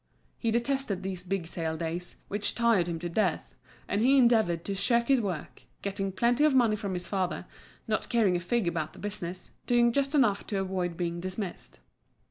He detested these big sale days, which tired him to death, and he endeavoured to shirk his work, getting plenty of money from his father, not caring a fig about the business, doing just enough to avoid being dismissed.